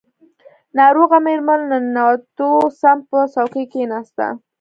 ناروغه مېرمن له ننوتو سم په څوکۍ کښېناسته.